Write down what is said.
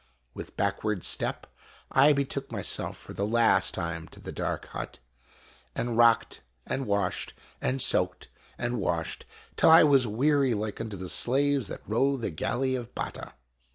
With backward step, I betook myself for the last time to the dark hut, and rocked and washed and soaked and washed till I was weary like unto the slaves that row the galley of Batta.